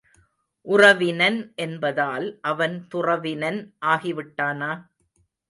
உறவினன் என்பதால் அவன் துறவினன் ஆகிவிட்டானா?